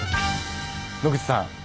野口さん